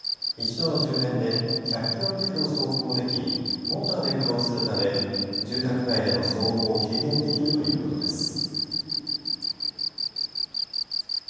一度の充電で１００キロ程度走行できモーターで駆動するため住宅街での騒音も軽減できるということです。